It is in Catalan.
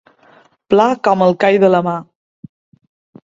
Pla com el call de la mà.